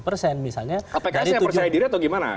pksnya percaya diri atau gimana